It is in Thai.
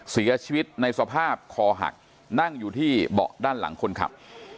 เสียชีวิตในสภาพคอหักนั่งอยู่ที่เบาะด้านหลังคนขับ